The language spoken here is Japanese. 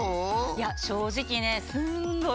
いやしょうじきねすんごい